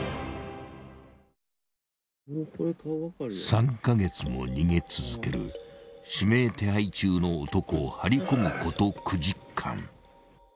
［３カ月も逃げ続ける指名手配中の男を張り込むこと９時間］